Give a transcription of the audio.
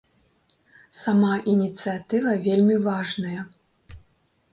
Сама ініцыятыва вельмі важная.